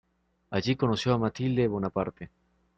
Allí conoció a Mathilde Bonaparte.